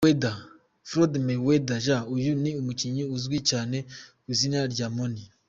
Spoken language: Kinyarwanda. Floyd Mayweather Jr : Uyu ni umukinnyi uzwi cyane kw’izina rya "Money".